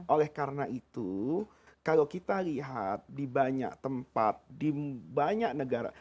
oleh karena itu kalau kita lihat di banyak tempat di banyak negara